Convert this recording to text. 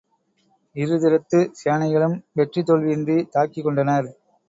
இருதிறத்துச் சேனைகளும் வெற்றி தோல்வி இன்றித் தாக்கிக் கொண்டனர்.